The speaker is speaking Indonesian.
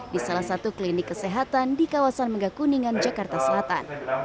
di salah satu klinik kesehatan di kawasan megakuningan jakarta selatan